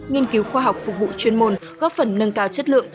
nghiên cứu khoa học phục vụ chuyên môn góp phần nâng cao chất lượng